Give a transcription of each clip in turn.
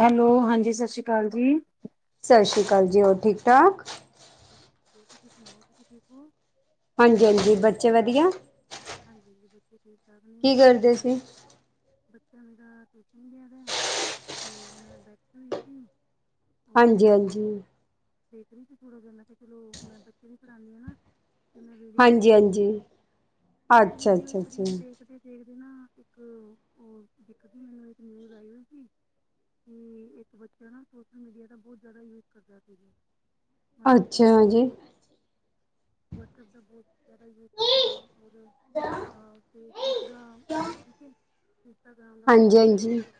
Hello ਹਾਂਜੀ ਸਤਿ ਸ੍ਰੀ ਅਕਾਲ ਜੀ ਸਤਿ ਸ਼੍ਰੀ ਅਕਾਲ ਜੀ ਹੋਰ ਠੀਕ ਠਾਕ [inaudible] ਹਾਂਜੀ ਹਾਂਜੀ ਬੱਚੇ ਵਧੀਆ ਹਾਂਜੀ ਹਾਂਜੀ ਬੱਚੇ ਠੀਕ ਨਹੀਂ ਕੀ ਬਸ ਕਰਦੇ ਬੱਚਾ। ਸੀ ਬੱਚਾ ਮੇਰਾ ਟਿਊਸ਼ਨ ਗਿਆ ਦਾ ਤੇ ਮੈਂ ਬੈਠ ਹੋਈ ਸੀ। ਹਾਂਜੀ ਹਾਂਜੀ। ਦੇੇਖਦੀ ਸੀ ਥੋੜਾ ਜਿਹਾ ਮੈਂ ਕਿਹਾ ਚਲੋ ਮੈਂ ਬੱਚੇ ਵੀ ਪੜਾਂਦੀ ਆ ਨਾ ਮੈਂ ਵੀਡੀਓ ਹਾਂਜੀ ਦੇਖਦੀ ਸੀ। ਹਾਂਜੀ ਬਸ ਅੱਛਾ ਵੀਡੀਓ ਅੱਛਾ ਅੱਛਾ ਸਕਰੀਨ ਦੇਖਦੇਖ ਮੇਰੇ ਨਾ ਇੱਕ ਉਹ ਦਿੱਕ ਸੀ ਮੈਨੂੰ ਇੱਕ ਨਿਊਜ਼ ਆਈ ਹੋਗੀ। ਕਿ ਇੱਕ ਬੱਚਾ ਨਾ ਸੋਸ਼ਲ ਮੀਡੀਆ ਦਾ ਬਹੁਤ ਜ਼ਿਆਦਾ ਯੂਜ ਕਰਦਾ ਸੀਗਾ ਮਤਲਬ ਅੱਛਾ ਜੀ ਹਾਂਜੀ ਅ ਬਟ ਸਪ ਦਾ ਬਹੁਤ ਜ਼ਿਆਦਾ ਯੂਜ ਕਰਨਾ ਹੋ। ਰ ਫੇਸਬੁੱਕ ਦਾ ਠੀਕ ਹੈ। ਇੰਸਟਾਗ੍ਰਾਮ ਦਾ ਬਹੁਤ ਜ਼ਿਆਦਾ ਯੂਜ਼ ਹਾਂਜੀ ਕਰ।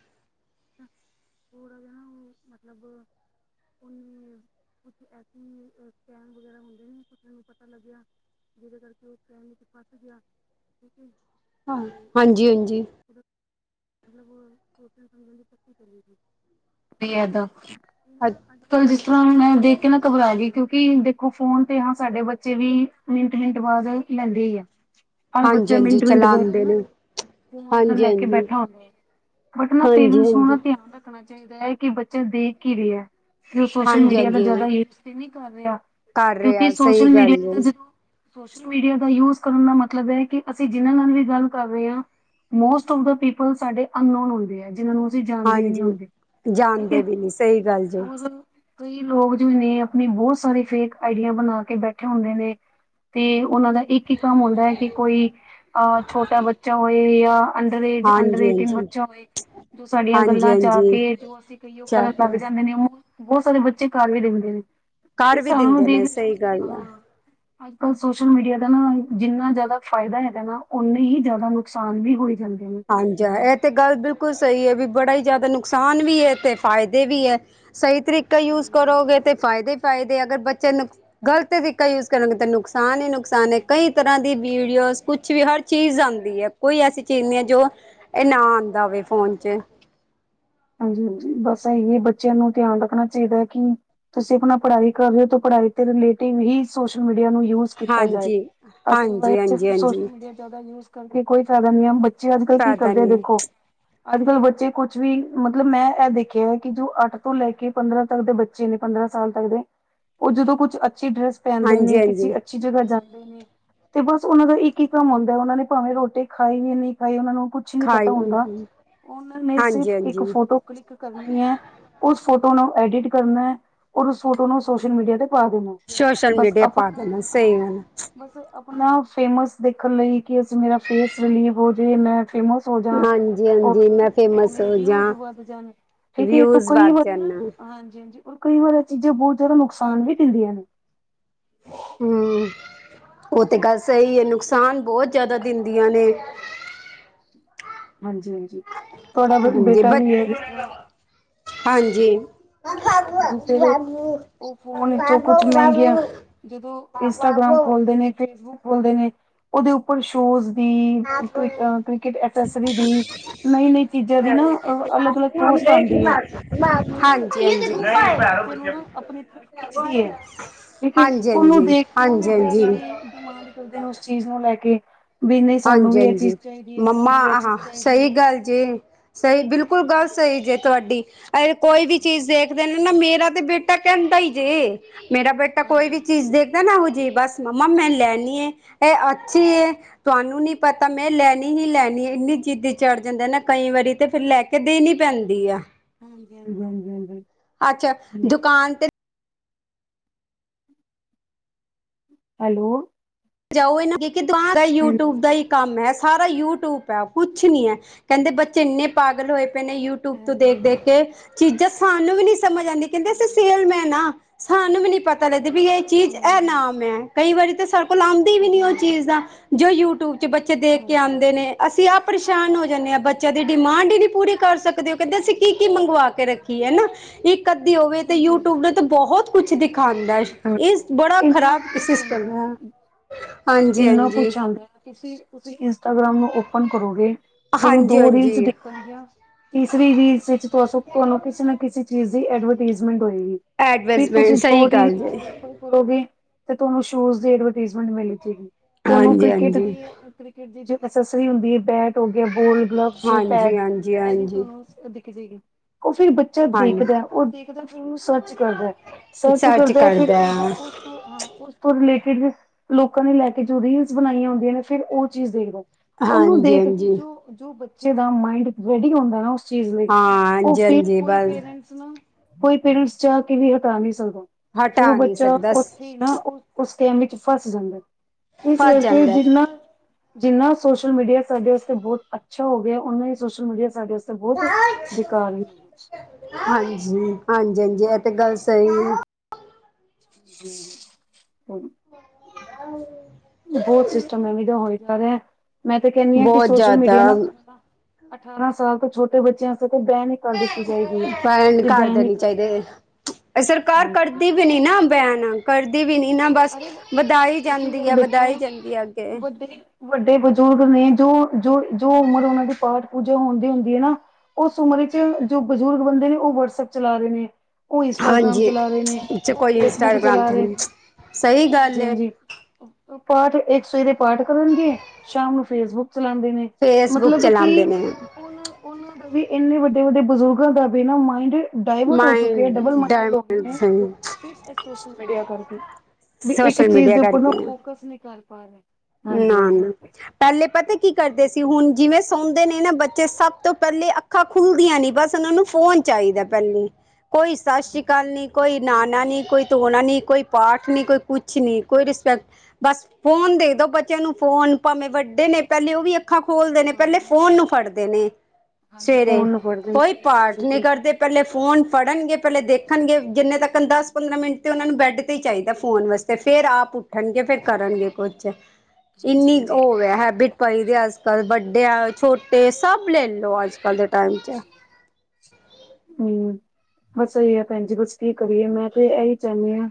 ਉਹ ਮਤਲਬ ਉਹਨੇ ਕੁਛ ਐਸ ਸਕੈਮ ਵਗੈਰਾ ਹੁੰਦੇ ਜਿ ਕੁਛ ਮੈਨੂੰ ਪਤਾ ਲੱਗਿਆ। ਜਿਹਦੇ ਕਰਕੇ ਉਹ ਟੈਮ ਵਿੱਚ ਫਸ ਗਿਆ,,,,, ਠੀਕ ਹੈ ਹਾਂ ਤੇ ਉਹ ਹਾਂਜੀ ਹਾਂਜੀ ਮਤਲਬ, [inaudible] ਅ ਅੱਜ ਕਲ ਜਿਸ ਤਰ੍ਹਾਂ ਮੈਂ ਦੇਖ ਕੇ ਨਾ, ਘਬਰਾ ਗਈ ਕਿ ਦੇਖੋ ਫੋਨ ਤੇ ਹਾਂ ਸਾਡੇ ਬੱਚੇ ਵੀ ਮਿੰਟ ਮਿੰਟ ਬਾਅਦ ਲੈਂਦੇ ਹੀ ਆ, ਹਰ ਹਾਂਜੀ ਬੱਚੇ ਹਾਂਜੀ ਮਿੰਟ ਮਿੰਟ ਬਾਅਦ ਚਲਾਉਂਦੇ ਨਾ,,,,,, ਨੇ ਫੋਨ ਹਾਂਜੀ ਲੈ ਕੇ ਹਾਂਜੀ ਬੈਠਾ ਹੁੰਦੇ ਆ, ਬਟ ਹਾਂਜੀ ਪੇਰੈਂਟਸ ਨੂੰ ਨਾ ਹਾਂਜੀ ਧਿਆਨ ਰੱਖਣਾ ਚਾਹੀਦਾ। ਚਾਹੀਦਾ ਹੈ। ਕਿ ਬੱਚਾ ਦੇਖ ਹੀ ਰਿਹਾ,, ਕਿ ਉਹ ਸੋਸ਼ਲ ਹਾਂਜੀ ਮੀਡੀਆ ਦਾ ਜ਼ਿਆਦਾ ਹਾਂਜੀ ਯੂਜ ਤੇ ਨਹੀਂ ਕਰ ਰਿਹਾ, ਕਰ ਕਿਉਂਕਿ ਰਿਹਾ ਸਹੀ ਸੋਸ਼ਲ ਗੱਲ ਮੀਡੀਆ ਹੈ ਦਾ ਜਦੋਂ,,,, ਸੋਸ਼ਲ ਮੀਡੀਆ ਦਾ ਯੂਜ ਕਰਨ ਦਾ ਮਤਲਬ ਹੈ ਕਿ ਅਸੀਂ ਜਿਨਾਂ ਨਾਲ ਵੀ ਗੱਲ ਕਰ ਰਹੇ ਹਾਂ, ਮੋਸਟ ਆਫ ਦਾ ਪੀਪਲ ਸਾਡੇ ਅਨ ਨੋਨੁਨ ਹੁੰਦੇ ਹੈ ਜਿਹਨਾਂ ਨੂੰ, ਤੁਸੀਂ ਜਾਣਦੇ ਵੀ ਨਹੀਂ ਹਾਂਜੀ ਹੁੰਦੇ ਠੀਕ ਹੈ ਜਾਣਦੇ ਵੀ ਨਹੀਂ ਸਹੀ ਗੱਲ ਜੀ ਹੋ, ਕਈ ਲੋਕ ਜੋ ਨੇ ਆਪਣੇ ਬਹੁਤ ਸਾਰੇ ਫੇਕ ਆਈਡੀਆ ਬਣਾ ਕੇ ਬੈਠੇ ਹੁੰਦੇ ਨੇ, ਤੇ ਉਹਨਾਂ ਦਾ ਇੱਕ ਹੀ ਕੰਮ ਹੁੰਦਾ ਹੈ ਕਿ ਕੋਈ ਅਹ ਛੋਟਾ ਬੱਚਾ ਹੋਏ ਜਾਂ, ਅੰਡਰਏਜ ਅੰਡਰ ਹਾਂਜੀ ਏਟੀਨ ਹਾਂਜੀ ਬੱਚਾ ਹੋਏ, ਜੋ ਸਾਡੀਆਂ ਹਾਂਜੀ ਗੱਲਾਂ ਚ ਆ ਹਾਂਜੀ ਕੇ,, ਜੋ ਅਸੀਂ ਕਈਓ ਕਰਨ ਚੱਕ ਲੱਗ ਜਾਂਦੇ ਨੇ ਉਹ, ਬਹੁਤ ਸਾਰੇ ਬੱਚੇ ਘਰ ਵੀ ਦੇਖਦੇ ਨੇ ਤੇ,, ਕਰ ਵੀ ਸਾਨੂੰ ਦਿੰਦੇ ਨੇ ਦੇਖ ਸਹੀ ਗੱਲ ਆ ਹ, ਅੱਜਕੱਲ੍ਹ ਸੋਸ਼ਲ ਮੀਡੀਆ ਦਾ ਨਾ ਜਿੰਨਾ ਜ਼ਿਆਦਾ ਫਾਇਦਾ ਹੈਗਾ ਨਾ ਉਨੇ ਹੀ ਜ਼ਿਆਦਾ ਨੁਕਸਾਨ ਵੀ ਹੋਏ। ਹਾਂਜੀ ਇਹ ਤੇ ਗੱਲ ਬਿਲਕੁਲ ਸਹੀ ਏ। ਬੜਾ ਹੀ ਜ਼ਿਆਦਾ ਨੁਕਸਾਨ ਵੀ ਏ ਤੇ ਫਾਇਦੇ ਵੀ ਐ ਸਹੀ ਤਰੀਕਾ ਯੂਜ ਹਾਂਜੀ ਕਰੋਗੇ ਤੇ ਫਾਇਦੇ ਈ ਫਾਇਦੇ ਅਗਰ ਬੱਚੇ ਨੂੰ ਗ਼ਲਤ ਤਰੀਕਾ ਯੂਜ ਕਰੋਗੇ ਤਾਂ ਨੁਕ ਨੁਕਸਾਨ ਹੀ ਨੁਕਸਾਨ ਨੇ ਕਈ ਤਰ੍ਹਾਂ ਦੀ ਵੀਡੀਓਜ ਕੁਛ ਵੀ ਹਰ ਚੀਜ਼ ਆਂਦੀ ਏ ਕੋਈ ਐਸੀ ਚੀਜ਼ ਨਹੀਂ ਜੋ ਇਹ ਨਾ ਆਂਦਾ ਹੋਵੇ ਫੋਨ ਚ। ਹਾਂਜੀ-ਹਾਂਜੀ ਬਸ ਇਹੀ ਬੱਚਿਆਂ ਨੂੰ ਧਿਆਨ ਰੱਖਣਾ ਚਾਹੀਦਾ ਹੈ ਕਿ ਤੁਸੀਂ ਆਪਣਾ ਪੜ੍ਹਾਈ ਕਰ ਰਹੇ ਹੋ ਤਾਂ ਪੜਾ ਈ ਤੇ ਰਿਲੇਟਿਵ ਹੀ ਸੋਸ਼ਲ ਮੀਡੀਆ ਕਿ ਉਹਨੂੰ ਯੂਜ ਕੀਤਾ ਜਾਏ, ਹਾਂਜੀ ਅੱਜ ਦੀ ਹਾਂਜੀ ਲਾਈਫ 'ਚ ਹਾਂਜੀ ਸੋਸ਼ਲ ਹਾਂਜੀ ਮੀਡੀਆ ਜਿਆਦਾ ਯੂਜ ਕਰਕੇ ਕੋਈ ਫਾਇਦਾ ਨੀ ਆ ਬੱਚੇ ਅੱਜ ਕੱਲ ਕੀ ਫਾਇਦਾ ਕਰਦੇ ਆ ਨਹੀਂ ਹੈ ਦੇਖੋ, ਅੱਜ ਕੱਲ ਬੱਚੇ ਕੁਛ ਵੀ ਮਤਲਬ ਮੈਂ ਇਹ ਦੇਖਿਆ ਕਿ ਜੋ ਅੱਠ ਤੋਂ ਲੈ ਕੇ ਪੰਦਰਾਂ ਤੱਕ ਦੇ ਬੱਚੇ ਨੇ ਪੰਦਰਾਂ ਸਾਲ ਤੱਕ ਦੇ ਉਹ ਜਦੋਂ ਕੁਛ ਅੱਛੀ ਡਰੈਸ ਪਹਿਨਦੇ ਹਾਂਜੀ ਨੇ ਹਾਂਜੀ ਕਿਸੇ ਅੱਛੀ ਜਗ੍ਹਾ ਜਾਂਦੇ ਨੇ ਤੇ ਬਸ ਉਹਨਾਂ ਦਾ ਇੱਕ ਹੀ ਕੰਮ ਹੁੰਦਾ ਉਹਨਾਂ ਨੇ ਭਾਵੇਂ ਰੋਟੀ ਖਾਈ ਵੀ ਨਹੀਂ ਖਾਈ ਉਹਨਾਂ ਨੂੰ ਕੁਛ ਨੀ ਪਤਾ ਖਾਈ ਹੁੰਦਾ, ਹਾਂਜੀ ਉਹਨਾਂ ਨੇ ਸਿਰਫ ਇੱਕ ਹਾਂਜੀ ਫੋਟੋ ਕਲਿੱਕ ਕਰਨੀ ਹੈ ਉਸ ਫੋਟੋ ਫੋਟੋ ਨੂੰ ਐਡਿਟ ਕਰਨਾ ਔਰ ਉਸ ਫੋਟੋ ਨੂੰ ਸੋਸ਼ਲ ਮੀਡੀਆ ਤੇ ਪਾ ਦੇਣਾ ਸੋਸ਼ਲ ਬਸ ਮੀਡੀਆ ਪਾ ਆਪਣੇ ਦੇਣਾ ਸਹੀ ਹਾਂਜੀ ਗੱਲ ਬਸ, ਆਪਣਾ ਫੇਮਸ ਦੇਖਣ ਲਈ ਕਿ ਅਸੀ ਮੇਰਾ ਫੇਸ ਰਿਲੀਵ ਹੋ ਮੈਂ ਫ਼ਾਮੁਸ, ਜਾ ਸੌਜਾ, ਹਾਂਜੀ ਹਾਂਜੀ ਔਰ ਮੈਂ ਫੇਮਸ ਮੇ, ਹੋ ਵਿਊਜ਼ ਜਾਂ ਵੱਧ ਜਾਣ ਠੀਕ ਇਹ ਤ ਵਿਊਜ਼ ਕਈ ਵੱਧ ਵਾਰੀ ਨਾ ਜਾਣਾ ਹਾਂਜੀ ਹਾਂ,,,, ਕਈ ਵਾਰੀਆਂ ਚੀਜ਼ਾਂ ਬਹੁਤ ਜ਼ਿਆਦਾ ਨੁਕਸਾਨ ਵੀ ਦਿੰਦੀਆਂ ਨੇ,,, ਹੂੰ,,, ਉਹ ਤੇ ਗੱਲ ਸਹੀ ਹੈ ਨੁਕਸਾਨ ਬਹੁਤ ਜ਼ਿਆਦਾ ਦਿੰਦੀਆਂ ਨੇ। ਹਾਂਜੀ-ਹਾਂਜੀ ਤੁਹਾਡਾ ਹਾਂਜੀ ਬੇਟਾ ਬ ਵੀ ਹੈ ਜਿਸ ਤਰ੍ਹਾਂ ਹਾਂਜੀ ਜਿਹੜੇ, ਉਹ ਫੋਨ ਵਿਚੋਂ ਹਾਂਜੀ ਕੁਛ ਮਹਿੰਗੀਆਂ ਜਦੋਂ ਇੰਸਟਾਗ੍ਰਾਮ ਖੋਲਦੇ ਨੇ ਫੇਸਬੁਕ ਖੋਲਦੇ ਨੇ ਉਹਦੇ ਉਪਰ ਸ਼ੋਜ ਰੀਲਜ ਕ੍ਰਿਕਟ ਐਸਸਰੀ ਦੀ, ਨਈ-ਨਈ ਚੀਜ਼ਾਂ ਦੀ ਨਾ ਅਲੱਗ-ਅਲੱਗ ਪੋ ਲਿਸਟ ਆਉਂਦੀ ਏ, ਠੀਕ ਹੈ ਜੋ ਜੋ ਕਿਉਂਕਿ ਬੱਚੇ ਨੂੰ ਨਾ ਆਪਣੀ ਤਰਫ ਖਿੱਚਦੀ ਏ, ਠੀਕ ਹੈ ਉਹਨੂੰ ਹਾਂਜੀ ਦੇਖ ਕੇ ਫਿਰ ਹਾਂਜੀ ਬੱਚੇ ਹਾਂਜੀ ਵੀ ਡਿਮਾਂਡ ਕਰਦੇ ਨੇ ਉਸ ਚੀਜ਼ ਨੂੰ ਲੈ ਕੇ ਵੀ ਨਹੀਂ ਸਾਨੂੰ ਵੀ ਇਹ ਚੀਜ਼ ਹਾਂਜੀ-ਹਾਂਜੀ, ਚਾਹੀਦੀ ਹੈ ਮੰਮਾ ਸਾਨੂੰ ਵੀ ਇਹ ਚੀਜ਼ ਆ ਚਾਹੀਦੀ ਸਹੀ ਹੈ ਗੱਲ ਜੇ ਸਹੀ, ਬਿਲਕੁਲ ਗੱਲ ਸਹੀ ਜੇ। ਤੁਹਾਡੀ ਕੋਈ ਵੀ ਹਾਂਜੀ ਚੀਜ਼ ਦੇਖਦੇ ਨੇ ਨਾ ਮੇਰਾ ਤੇ ਬੇਟਾ ਕਹਿੰਦਾ ਈ ਜੇ। ਮੇਰਾ ਬੇਟਾ ਹਾਂਜੀ ਹਾਂਜੀ ਕੋਈ ਵੀ ਹਾਂਜੀ ਚੀਜ਼ ਦੇਖਦਾ ਨਾ ਓਹੋ ਜੀ ਬਸ ਮੰਮਾ ਮੈਂ ਲੈਣੀ ਏ, ਇਹ ਅੱਛੀ ਏ। ਤੁਹਾਨੂੰ ਨੀ ਪਤਾ ਮੈਂ ਲੈਣੀ ਹੀ ਲੈਣੀ ਏ ਇੰਨੀ ਜਿੱਦੀ ਚੜ ਜਾਂਦਾ ਨਾ ਕਈ ਵਾਰੀ ਤੇ ਫਿਰ ਲੈ ਕੇ ਦੇਨੀ ਪੈਂਦੀ ਆ। ਹਾਂਜੀ ਹਾਂਜੀ ਹਾਂਜੀ ਹਾਂਜੀ ਅੱਛਾ ਦੁਕਾਨ ਤੇ ਹੈਲੋ ਜਾਓ ਇਹਨੂੰ ਹਾਂਜੀ ਯੂਟਿਊਬ ਦਾ ਹੀ ਕੰਮ ਐ। ਸਾਰਾ ਯੂਟਿਊਬ ਹੈ ਕੁਛ ਨੀ ਐ ਕਹਿੰਦੇ ਬੱਚੇ ਇੰਨੇ ਪਾਗਲ ਹੋਏ ਪਏ ਨੇ ਯੂਟਿਊਬ ਤੋਂ ਹਾਂਜੀ ਹਾਂਜੀ ਦੇਖ-ਦੇਖ ਕੇ ਚੀਜ਼ਾਂ ਸਾਨੂੰ ਵੀ ਨਹੀਂ ਸਮਝ ਆਂਦੀ ਕਹਿੰਦੇ ਅਸੀਂ ਹਾਂਜੀ-ਹਾਂਜੀ, ਸੇਲਮੈਨ ਆ। ਸਾਨੂੰ ਵੀ ਨੀ ਪਤਾ ਲੱਗਦੀ ਵੀ ਇਹ ਚੀਜ਼ ਇਹ ਹਾਂਜੀ-ਹਾਂਜੀ। ਨਾਮ ਐ ਕਈ ਵਾਰੀ ਤਾਂ ਭੁਲਾਂਦੀ ਵੀ ਨੀ ਉਹ ਚੀਜ਼ ਦਾ ਜੋ ਯੂਟਿਊਬ 'ਚ ਬੱਚੇ ਦੇਖ ਕੇ ਆਂਦੇ ਹਾਂਜੀ, ਨੇ ਅਸੀਂ ਆਪ ਪਰੇਸ਼ਾਨ ਹੋ ਜਾਂਨੇ ਆ ਬੱਚਿਆਂ ਦੀ ਡਿਮਾਂਡ ਹੀ ਨੀ ਪੂਰੀ ਕਰ ਸਕਦੇ ਉਹ ਕਹਿੰਦੇ ਅਸੀਂ ਕੀ-ਕੀ ਮੰਗਵਾ ਕੇ ਰੱਖੀਏ ਹਨਾਂ ਇੱਕ ਅੱਧੀ ਹੋਵੇ ਤੇ ਹਾਂਜੀ ਹਾਂਜੀ। ਯੂਟਿਊਬ ਨੇ ਤਾਂ ਬਹੁਤ ਕੁਛ ਦਿਖਾਂਦਾ ਇਸ ਬੜਾ ਇਹਨਾਂ ਖ਼ਰਾਬ ਵਿੱਚ ਸਿਸਟਮ ਹੈ। ਹੁੰਦਾ ਇੰਨਾ ਹਾਂਜੀ-ਹਾਂਜੀ ਕੁਛ ਆਂਦਾ ਹੈ ਤੁਸੀਂ ਤੁਸੀਂ ਇੰਸਟਾਗ੍ਰਾਮ ਨੂੰ ਓਪਨ ਕਰੋਗੇ। ਤੁਹਾਨੂੰ ਦੋ ਹਾਂਜੀ ਰੀਲਸ ਹਾਂਜੀ ਦਿਖਣਗੀਆਂ ਤੀਸਰੀ ਰੀਲਸ ਵਿੱਚ ਤੁਹਾਨੂੰ ਕਿਸੇ ਨਾ ਕਿਸੇ ਚੀਜ਼ ਦੀ ਐਡਵਰਟੀਜ਼ਮੈਂਟ ਹੋਏਗੀ। ਫਿਰ ਐਡਵਰਟੀਜ਼ਮੈਂਟ ਤੁਸੀਂ ਸਹੀ ਜੋ ਰੀਲ ਗੱਲ ਜੀ ਹੋਰ ਉੱਪਰ ਕਰੋਗੇ ਤੇ ਤੁਹਾਨੂੰ ਸ਼ੂਜ ਦੀ ਐਡਵਰਟੀਜਮੈਂਟ ਮਿਲਜੇਗੀ। ਤੁਹਾਨੂੰ ਹਾਂਜੀ ਕ੍ਰਿਕਟ ਹਾਂਜੀ ਦੀ ਕ੍ਰਿਕਟ ਦੀ ਜੋ ਅਸੈਸਰੀ ਹੁੰਦੀ ਹੈ ਬੈਟ ਹੋ ਗਿਆ ਬੋਲ [unintelligible] ਹਾਂਜੀ ਪੈਡ ਹਾਂਜੀ ਇਹਦੀ ਹਾਂਜੀ ਤੁਹਾਨੂੰ [unintelligible] ਉਹ ਫਿਰ ਬੱਚਾ ਦੇਖਦਾ ਹਾਂਜੀ ਉਹ ਦੇਖਦਾ ਫਿਰ ਉਹਨੂੰ ਸਰਚ ਕਰਦਾ ਸਰਚ ਕਰਦਾ ਉਹਦੀ ਉਸ ਤੋਂ ਹਾਂ ਉਸ ਤੋਂ ਰਿਲੇਟਿਡ ਲੋਕਾਂ ਨੇ ਲੈ ਕੇ ਜੋ ਰੀਲਸ ਬਣਾਈਆਂ ਹੁੰਦੀਆਂ ਨੇ ਫੇਰ ਉਹ ਚੀਜ਼ ਦੇਖਲੋ। ਉਹਨੂੰ ਹਾਂਜੀ ਦੇਖ ਕੇ ਹਾਂਜੀ ਜੋ ਜੋ ਬੱਚੇ ਦਾ ਮਾਇੰਡ ਰੈਡੀ ਹੁੰਦਾ ਨਾ ਓ ਚੀਜ਼ ਲਈ ਹਾਂ ਉਹ ਹਾਂਜੀ ਫਿਰ ਹਾਂਜੀ ਕੋਈ ਬਸ ਪੇਰੈਂਟਸ ਨੂੰ ਕੋਈ ਪੇਰੈਂਟਸ ਚਾਅ ਕੇ ਵੀ ਉਹ ਹਟਾ ਨਹੀਂ ਸਕਦਾ ਫੇਰ ਉਹ ਹਟਾ ਨਹੀਂ ਬੱਚਾ ਸਕਦਾ ਓਥੀ ਨਾ [unintelligible] [unintelligible] ਵਿੱਚ ਫਸ ਜਾਂਦਾ ਇਸ ਫਸ ਕਰਕੇ ਜਾਂਦਾ ਜਿੰਨਾ ਜਿੰਨਾ ਸੋਸ਼ਲ ਮੀਡੀਆ ਸਾਡੇ ਵਾਸਤੇ ਬਹੁਤ ਅੱਛਾ ਹੋ ਗਿਆ ਉਹਨਾਂ ਹੀ ਸੋਸ਼ਲ ਮੀਡੀਆ ਸਾਡੇ ਵਾਸਤੇ [unintelligible] ਬਹੁਤ ਬੇਕਾਰ ਵੀ ਹਾਂਜੀ। ਹਾਂਜੀ ਹਾਂਜੀ, ਇਹ ਤਾਂ ਗੱਲ ਸਈ [unintelligible] [unintelligible] ਬਹੁਤ ਸਿਸਟਮ ਐਵੀਂ ਦਾ ਹੋਈ ਜਾ ਰਿਹਾ ਮੈਂ ਤੇ ਕਹਿਣੀ ਆ ਕਿ ਬਹੁਤ ਸੋਸ਼ਲ ਮੀਡੀਆ ਜ਼ਿਆਦਾ ਨਾ ਅਠਾਰਾਂ ਸਾਲ ਤੋਂ ਛੋਟੇ ਬੱਚਿਆਂ ਤੋਂ ਉਹ ਬੈਨ ਕਰ ਦਿੱਤੀ ਜਾਏਗੀ ਹੈ ਕਿ ਕਰ ਬੈਨ ਦੇਣੀ ਕਰਦੀ ਜਾ ਚਾਹੀਦੀ ਸਰਕਾਰ ਕਰਦੀ ਵੀ ਨੀ ਨਾ ਬੈਨ ਕਰਦੀ ਵੀ ਨੀ। ਇਹਨਾਂ ਬਸ ਅਰੇ ਵਧਾਈ ਤੁਸੀਂ ਜਾਂਦੀ ਇਹ ਆ ਵਧਾਈ ਦੇਖੋ ਜਾਂਦੀ ਆ ਅੱਗੇ। ਵੱਡੇ ਵੱਡੇ ਬਜ਼ੁਰਗ ਨੇ ਜੋ ਜੋ ਜੋ ਉਮਰ ਉਹਨਾਂ ਦੀ ਪਾਠ-ਪੂਜਾ ਹੋਣ ਦੀ ਹੁੰਦੀ ਹੈ ਨਾ ਉਸ ਉਮਰ ਵਿੱਚ ਜੋ ਬਜ਼ੁਰਗ ਬੰਦੇ ਨੇ ਉਹ ਵਟਸਐਪ ਚਲਾ ਰਹੇ ਨੇ। ਉਹ ਇੰਸਟਾਗ੍ਰਾਮ ਹਾਂਜੀ ਚਲਾ ਰਹੇ ਨੇ ਚ ਉਹ ਕੋਈ ਫੇਸਬੁੱਕ ਇੰਸਟਾਗ੍ਰਾਮ ਚਲਾ ਤੇ ਰਹੇ ਨਹੀਂ ਨੇ। ਸਹੀ ਗੱਲ ਹਾਂਜੀ ਏ ਹਾਂਜੀ ਪਾਠ ਇੱਕ ਸਵੇਰੇ ਪਾਠ ਕਰਨਗੇ ਸ਼ਾਮ ਨੂੰ ਫੇਸਬੁੱਕ ਚਲਾਂਦੇ ਨੇ ਫੇਸਬੁੱਕ ਮਤਲਬ ਚਲਾਉਂਦੇ ਕਿ ਨੇ ਉਹਨਾਂ ਉਹਨਾਂ ਵੀ ਇੰਨੇ ਵੱਡੇ ਵੱਡੇ ਬਜ਼ੁਰਗਾਂ ਦਾ ਵੀ ਨਾ ਮਾਇੰਡ ਡਾਇਵਰਟ ਹੋ ਚੁੱਕੇ ਡਬਲ ਮਾਇੰਡ ਮਾਈਡਡ ਹੋ ਗਏ ਨੇ ਡਾਇਮੰਡ ਸਿਰਫ ਇਹ ਸੋਸ਼ਲ ਮੀਡੀਆ ਕਰਕੇ। ਵੀ ਇੱਕ ਸੋਸ਼ਲ ਚੀਜ਼ ਮੀਡੀਆ ਦੇ ਉੱਪਰ ਨਾ ਕਰਕੇ ਫੋਕਸ ਨਹੀਂ ਕਰ ਪਾ ਰਹੇ। ਨਾ ਹਾਂਜੀ ਹਾਂਜੀ ਨਾ ਪਹਿਲੇ ਪਤਾ ਕੀ ਕਰਦੇ ਸੀ ਹੁਣ ਜਿਵੇਂ ਸੌਦੇ ਨੇ ਨਾ ਬੱਚੇ ਸਭ ਤੋਂ ਪਹਿਲੇ ਅੱਖਾਂ ਖੁੱਲਦੀਆਂ ਨੀ ਬਸ ਉਹਨਾਂ ਨੂੰ ਫੋਨ ਚਾਹੀਦਾ ਪ ਕੋਈ ਸਤਿ ਸ੍ਰੀ ਅਕਾਲ ਨੀ ਕੋਈ ਨਾਣਾ ਨੀ ਕੋਈ ਧੋਣਾ ਨੀ ਕੋਈ ਪਾਠ ਨਹੀਂ ਕੋਈ ਕੁਛ ਨਹੀਂ ਕੋਈ ਰਿਸਪੈਕਟ ਬਸ ਫੋਨ ਦੇਦੋ ਬੱਚਿਆਂ ਨੂੰ ਫੋਨ ਭਾਵੇਂ ਵੱਡੇ ਨੇ ਪਹਿਲੇ ਉਹ ਵੀ ਅੱਖਾਂ ਖੋਲਦੇ ਨੇ ਹਾਂ ਪਹਿਲੇ ਫੋਨ ਨੂੰ ਫੜਦੇ ਨੇ। ਹਾਂਜੀ ਸਵੇਰੇ ਫੋਨ ਨੂੰ ਫੜਦੇ ਨੇ ਕੋਈ ਬਿਲਕੁਲ ਪਾਠ ਨਹੀਂ ਬਿਲਕੁਲ ਕਰਦੇ ਪਹਿਲੇ ਫੋਨ ਫੜਨਗੇ ਪਹਿਲੇ ਦੇਖਣਗੇ ਜਿੰਨੇ ਤੱਕ ਦਸ ਪੰਦਰਾਂ ਮਿੰਟ ਤੇ ਉਹਨਾਂ ਨੂੰ ਬੈਡ ਤੇ ਹੀ ਚਾਹੀਦਾ ਫੋਨ ਵਾਸਤੇ ਫੇਰ ਆਪ ਉੱਠਣਗੇ ਫੇਰ ਕਰਨਗੇ ਕੁਛ। ਇੰਨੀ ਹਾਂਜੀ ਓ ਹਾਂਜੀ ਹੋ ਗਿਆ ਹੈਬਿੱਟ, ਪਈ ਦੇ ਅੱਜ ਕੱਲ ਵੱਡੇ ਆ ਛੋਟੇ ਸਭ ਲੈ ਲਓ ਅੱਜ ਕੱਲ ਦੇ। ਟਾਈਮ ਚ ਹੂੰ, ਬਸ ਸਈ ਆ ਭੈਣ ਜੀ ਤੁਸੀਂ, ਕੀ ਕਰੀਏ ਮੈਂ ਤੇ ਇਹੀ ਚਾਹੁਣੀ ਆ।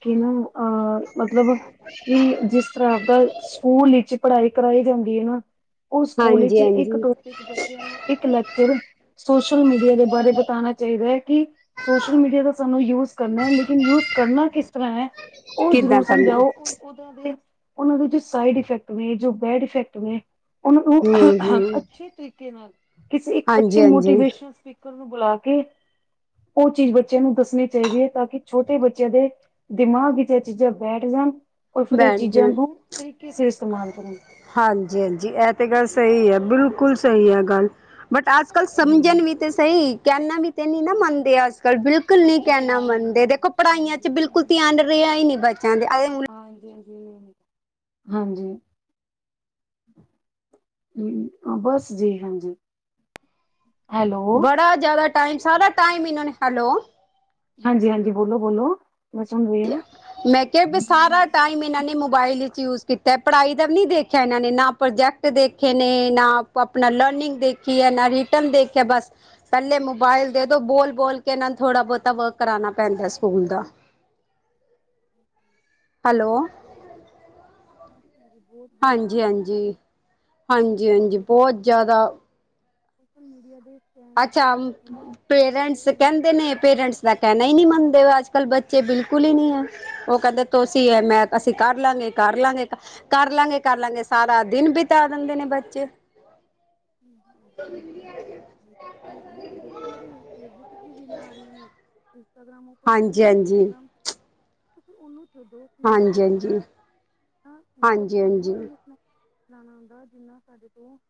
ਕਿ ਨਾ ਅਹ ਮਤਲਬ ਕਿ ਜਿਸ ਤਰ੍ਹਾਂ ਆਪਦਾ ਸਕੂਲ ਵਿੱਚ ਪੜ੍ਹਾਈ ਕਰਾਈ ਜਾਂਦੀ ਐ ਨਾ ਉਹ ਸਕੂਲ ਵਿੱਚ ਹਾਂਜੀ ਇੱਕ ਹਾਂਜੀ ਟੋਪਿਕ ਬੱਚਿਆਂ ਨੂੰ ਇੱਕ ਲੈਕ ਚਰ ਸੋਸ਼ਲ ਮੀਡੀਆ ਦੇ ਬਾਰੇ ਬਤਾਣਾ ਚਾਹੀਦਾ ਕਿ ਸੋਸ਼ਲ ਮੀਡੀਆ ਦਾ ਸਾਨੂੰ ਯੂਜ ਕਰਨਾ ਲੇਕਿਨ ਯੂਜ ਕਰਨਾ ਕਿਸ ਤਰ੍ਹਾਂ ਹੈ ਉਹ ਕਿੱਦਾਂ ਜ਼ਰੂਰ ਕਰਨਾ ਸਮਝਾਓ ਓਦੋਂ ਦੇ ਉਹਨਾਂ ਦੇ ਜੋ ਸਾਈਡ ਇਫੈਕਟ ਨੇ ਜੋ ਬੈਡ ਇਫੈਕਟ ਨੇ ਉਹਨੂੰ ਓਨੂੰ ਹਮ ਹਮ ਅੱਛੇ ਤਰੀਕੇ ਨਾਲ। ਕਿਸੇ ਇੱਕ ਹਾਂਜੀ ਅੱਛੇ ਹਾਂਜੀ ਮੋਟੀਵੇਸ਼ਨ ਸਪੀਕਰ ਨੂੰ ਬੁਲਾ ਕੇ ਉਹ ਚੀਜ਼ ਬੱਚਿਆਂ ਨੂੰ ਦੱਸਣੀ ਚਾਹੀਦੀ ਹੈ ਤਾਂ ਕਿ ਛੋਟੇ ਬੱਚਿਆਂ ਦੇ ਦਿਮਾਗ ਵਿੱਚ ਇਹ ਚੀਜ਼ਾਂ ਬੈਠ ਜਾਣ। ਔਰ ਫਿਰ ਇਹ ਬੈਠ ਚੀਜ਼ਾਂ ਜਾਣ ਨੂੰ ਤਰੀਕੇ ਸੇ ਇਸਤੇਮਾਲ ਕਰਨ। ਹਾਂਜੀ ਹਾਂਜੀ ਇਹ ਤੇ ਗੱਲ ਸਹੀ ਆ। ਬਿਲਕੁਲ ਸਹੀ ਐ ਗੱਲ। ਬੱਟ ਅੱਜ ਕੱਲ ਸਮਝਣ ਹੂੰ। ਵੀ ਤੇ ਸਹੀ ਕਹਿਣਾ ਵੀ ਤੇ ਨਹੀਂ ਨਾ ਹਾਂਜੀ ਮੰਨਦੇ ਅੱਜ ਕੱਲ ਬਿਲਕੁਲ ਨੀ ਬੱਚੇ ਕਹਿਣਾ ਨਹੀਂ ਮੰਨ ਮੰਨਦੇ ਦੇਖੋ, ਪੜ੍ਹਾਈਆਂ ਚ ਹਾਂਜੀ ਬਿਲਕੁਲ ਹਾਂਜੀ ਧਿਆਨ ਹਾਂਜੀ। ਰਿਹਾ ਹੀ ਨਹੀਂ ਬੱਚਿਆਂ ਦੇ [unintelligible] ਹਾਂਜੀ ਜ ਬਸ ਜੀ ਹਾਂਜੀ ਹੈਲੋ ਬੜਾ ਜ਼ਿਆਦਾ ਟਾਈਮ ਸਾਰਾ ਟਮ ਇਹਨਾਂ ਨੇ ਹੈਲੋ ਹਾਂਜੀ ਹਾਂਜੀ ਬੋਲੋ ਬੋਲੋ ਮੈਂ ਸੁਣ ਰਹੀ ਹਾਂ। ਮੈਂ ਕਿਹਾ ਵੀ ਸਾਰਾ ਟਾਈਮ ਇਹਨਾਂ ਨੇ ਮੋਬਾਇਲ ਵਿਚ ਚੂਜ ਕੀਤਾ ਪੜ੍ਹਾਈ ਦਾ ਵੀ ਨੀ ਦੇਖਿਆ ਇਹਨਾਂ ਨੇ ਨਾ ਪ੍ਰੋਜੈਕਟ ਦੇਖੇ ਨੇ ਨਾ ਆਪਣਾ ਲਰਨਿੰਗ ਦੇਖ ਖੀ ਨਾ ਰਿਟਨ ਦੇਖਿਆ ਬਸ ਪਹਿਲੇ ਮੋਬਾਈਲ ਦੇ ਦੋ ਬੋਲ ਬੋਲ ਕੇ ਨਾ ਥੜਾ ਬਹੁਤਾ ਵਰ ਕਰਾ ਜਾਣਾ ਪੈਂਦਾ ਸਕੂਲ ਦਾ ਬਹੁਤ ਹੈਲੋ [inaudible] ਬਹੁਤ ਬੁਰਾ ਹਾਲ ਹਾਂਜੀ ਹੋ ਹਾਂਜੀ ਚੁੱਕਿਆ ਹਾਂਜੀ ਹਾਂਜੀ ਬਹੁਤ ਜ਼ਿਆਦਾ ਸੋਸ਼ਲ ਮੀਡੀਆ ਦੇ ਸਕੈਮ ਵਿੱਚ ਅੱਛਾ ਬੱਚਾ ਇੰ ਪੇਰੈਂਟਸ ਇੰਨਾ ਕਹਿੰਦੇ ਨੇ ਪੇਰੈਂਟਸ ਦਾ ਕਹਿਣਾ ਹੀ ਨਹੀਂ ਮੰਨਦੇ ਅੱਜ ਕੱਲ ਬੱਚ ਬਿਲਕੁਲ ਹੀ ਨੀ ਹੈ ਉਹ ਕਹਿੰਦੇ ਤੁਸੀਂ ਮੈਂ ਅਸੀਂ ਕਰ ਲਾਂਗੇ ਕਰ ਲਾਂਗੇ ਕਰ ਲਾਂਗੇ ਕਰ ਲਾਂਗੇ ਸਾਰਾ ਦਿਨ ਬਿਤਾ ਦਿੰਦੇ ਨੇ ਬੱਚੇ ਜੀ ਜੀ ਜੀ ਜੀ ਜੀ ਹਾਂਜੀ। ਫੇਸਬੁੱਕ ਦੇਖਣਗੇ ਫੇਸਬੁੱਕ ਦੀ ਰੀਲਾਂ ਆ ਰਹੀਆਂ। ਇੰਸਟਾਗ੍ਰਾਮ ਓਪਨ ਹਾਂਜੀ ਕਰਨਗੇ ਹਾਂਜੀ ਇੰਸਟਾਗ੍ਰਾਮ ਤੇ ਫਿਰ ਓਹੀ ਤੇ ਹਾਂਜੀ ਹਾਂਜੀ, ਤਾਂ ਮਤਲਬ ਹਾਂਜੀ ਤੁਹਾਨੂੰ ਹਾਂਜੀ। ਇੰਨੇ [unintelligible]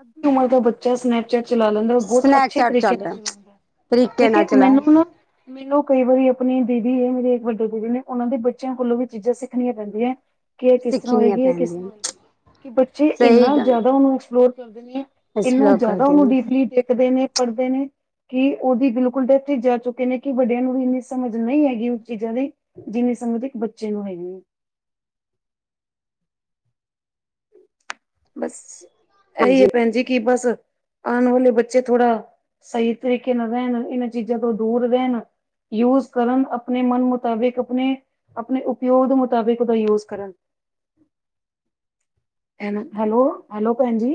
ਅੱਧੀ ਉਮਰ ਦਾ ਬੱਚਾ ਇਸ ਨੇ ਚਲਾ ਲੈਂਦਾ ਬਹੁਤ ਅੱਛੇ ਸਨੈਕਚੈਟ ਤਰੀਕੇ ਚੱਲ ਨਾਲ ਰਿਹਾ ਚਲਾਂਦਾ ਤਰੀਕੇ ਠੀਕ ਨਾਲ ਆ ਚਲਾ ਮੈਨੂੰ ਨਾ ਮੈਨੂੰ ਕਈ ਵਾਰੀ ਆਪਣੀ ਦੀਦੀ ਹੈ ਮੇਰੇ ਇੱਕ ਵੱਡੇ ਦੀਦੀ ਨੇ ਉਹਨਾਂ ਦੇ ਬੱਚਿਆਂ ਕੋਲੋਂ ਵੀ ਚੀਜ਼ਾਂ ਸਿੱਖਣੀਆਂ ਪੈਂਦੀਆਂ ਕਿ ਇਹ ਕਿਸ ਤਰ੍ਹਾਂ ਸਿੱਖਣੀਆਂ ਹੋਏਗੀ ਹੈ ਕਿਸ ਤਰ੍ਹਾਂ ਪੈਂਦੀਆਂ ਹੋਏਗੀ ਕਿ ਬੱਚੇ ਸਹੀ ਇੰਨਾ ਗੱਲ ਜ਼ਿਆਦਾ ਉਹਨੂੰ ਐਕਸਪਲੋਰ ਕਰਦੇ ਇਸ ਇੰਨਾ ਬਲੋਕ ਜ਼ਿਆਦਾ ਕਰਦੇ ਉਹਨੂੰ ਨੇ ਡਪਲੀ ਦੇਖਦੇ ਨੇ ਪੜ੍ਹਦੇ ਨੇ ਕਿ ਉਹਦੀ ਬਿਲਕੁਲ ਡੈਥ ਹੀ ਜਾ ਚੁੱਕੇ ਨੇ ਕਿ ਵੱਡਿਆਂ ਨੂੰ ਵੀ ਇੰਨੀ ਸਮਝ ਨਹੀਂ ਹੈਗੀ ਉਸ ਚੀਜ਼ਾਂ ਦੀ ਜਿੰਨੀ ਸਮ ਦੇ ਇੱਕ ਬੱਚੇ ਨੂੰ ਹੈਗੀ [inaudible] ਬਸ ਇਹੀ ਹੈ ਹਾਂਜੀ ਭੈਣ ਜੀ ਕਿ ਬਸ ਆਉਣ ਵਾਲੇ ਬੱਚੇ ਥੋੜ੍ਹਾ ਸਹੀ ਤਰੀਕੇ ਨਾਲ ਰਹਿਣ ਇਹਨਾਂ ਚੀਜ਼ਾਂ ਤੋਂ ਦੂਰ ਰਹਿਣ ਯੂਜ ਕਰਨ ਆਪਣੇ ਮਨ ਮੁਤਾਬਿਕ ਆਪਣੇ ਆਪਣੇ ਉਪਯੋਗ ਦੇ ਮੁਤਾਬਿਕ ਉਹਦਾ ਯੂਜ ਕਰਨ ਹ ਹੈਲੋ ਹੈਲੋ ਭੈਣ ਜੀ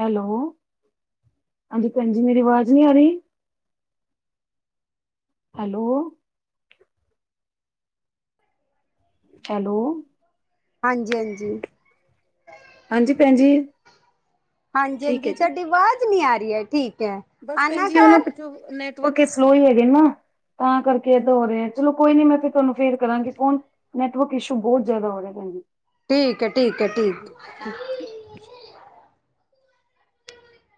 ਹੈਲੋ ਹਾਂਜੀ ਭੈਣਜੀ ਮੇਰੀ ਅਵਾਜ਼ ਨਹੀਂ ਆ ਰਹੀ ਹੈਲੋ ਹੈਲੋ ਹਾਂਜੀ, ਹਾਂਜੀ ਹਾਂਜੀ ਭੈਣ ਜੀ ਹਾਂਜੀ, ਠੀਕ ਹਾਂਜੀ ਹੈ ਜੀ ਤੁਹਾਡੀ ਆਵਾਜ਼ ਨੀ ਆ ਰਹੀ ਹੈ। ਠੀਕ ਹੈ ਬਸ ਭੈਣ ਆਨਾ ਜੀ ਉਹ ਨਾ ਘਰ ਪਿੱਛੋਂ ਨੈਟਵਰਕ ਸਲੋ ਹੀ ਹੈਗੇ ਨਾ ਤਾਂ ਕਰਕੇ ਇਦਾ ਹੋ ਰਿਹਾ ਚਲੋ ਕੋਈ ਨੀ ਮੈਂ ਤੁਹਾਨੂੰ ਫੇਰ ਕਰਾਂਗੀ ਫੋਨ ਨੈਟਵਰਕ ਇਸ਼ੂ ਬਹੁਤ ਜ਼ਿਆਦਾ ਹੋ ਰਿਹਾ ਭੈਣਜੀ। ਠੀਕ ਹੈ, ਠੀਕ ਹੈ, ਠੀਕ